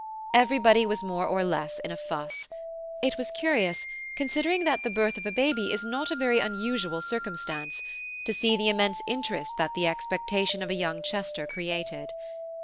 Everybody was more or less in a fuss; it was curious, considering that the birth of a baby is not a very unusual circumstance, to see the immense interest that the expectation of a young Chester created.